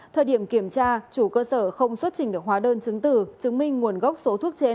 thời điểm kiểm tra chủ cơ sở không xuất trình được hóa đơn chứng tử chứng minh nguồn gốc số thuốc trên